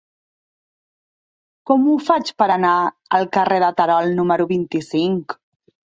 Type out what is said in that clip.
Com ho faig per anar al carrer de Terol número vint-i-cinc?